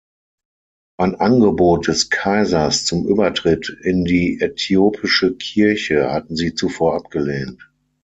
Ein Angebot des Kaisers zum Übertritt in die äthiopische Kirche hatten sie zuvor abgelehnt.